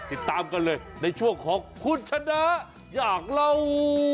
ติดตามกันเลยในช่วงของคุณชนะอยากเล่า